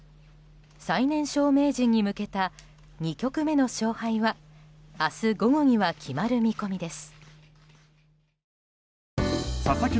最年少名人に向けた２局目の勝敗は明日午後には決まる見込みです。